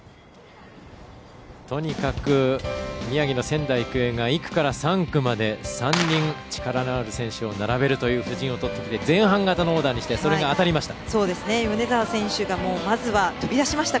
とにかく、宮城の仙台育英が１区から３区まで３人力のある選手を並べるという布陣をとってきて前半型のオーダーにしてそれが当たりました。